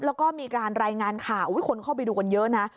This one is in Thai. แล้วก็มีการรายงานข่าวคนเข้าไปดูกันเยอะนะ